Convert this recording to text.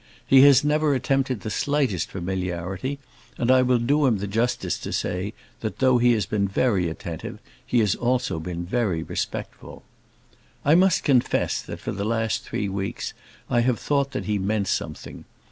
He has never attempted the slightest familiarity, and I will do him the justice to say, that, though he has been very attentive, he has also been very respectful. I must confess that, for the last three weeks, I have thought that he meant something.